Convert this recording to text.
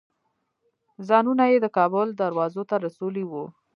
ځانونه یې د کابل دروازو ته رسولي وو.